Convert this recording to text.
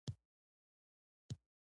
کاشکي انسان د ورانولو عادت پرېښودلی وای.